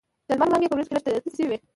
د لمر وړانګې په وریځو کې لږ تتې شوې وې.